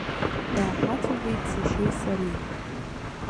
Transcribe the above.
Дааҳацәажәеит сашьеи сареи.